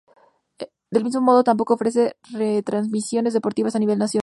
Del mismo modo, tampoco ofrece retransmisiones deportivas a nivel nacional.